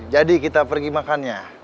jadi kita pergi makan ya